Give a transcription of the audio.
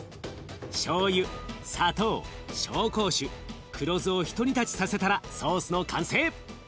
しょうゆ砂糖紹興酒黒酢をひと煮立ちさせたらソースの完成！